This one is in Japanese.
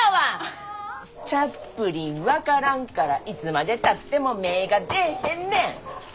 チャップリン分からんからいつまでたっても芽ぇが出えへんねん！